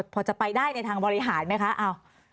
พอจะไปได้ในทางบริหารไหมคะ